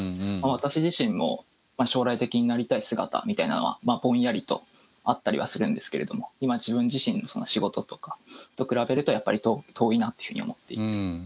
私自身も将来的になりたい姿みたいなのはぼんやりとあったりはするんですけれども今自分自身の仕事とかと比べるとやっぱり遠いなっていうふうに思っていて。